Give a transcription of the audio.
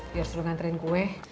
biar suruh nganterin kue